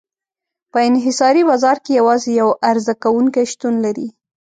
په انحصاري بازار کې یوازې یو عرضه کوونکی شتون لري.